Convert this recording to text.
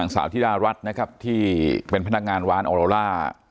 สาวธิดารัฐนะครับที่เป็นพนักงานวานออโลล่า